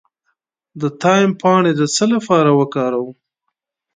د تایم پاڼې د څه لپاره وکاروم؟